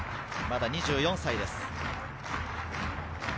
まだ２４歳です。